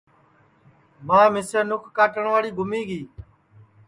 ماں مِسیں نُکھ کاٹٹؔواڑی گُمی گی